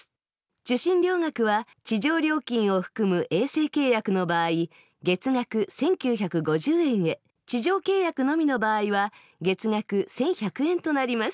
受信料額は地上料金を含む衛星契約の場合月額１９５０円へ地上契約のみの場合は月額１１００円となります。